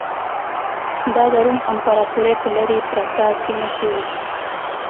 دا د روم امپراتورۍ په لرې پرته سیمه کې و